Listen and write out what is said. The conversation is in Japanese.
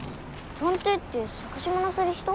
探偵って探し物する人？